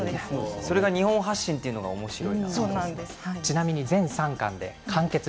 それが日本発信というのがおもしろいです。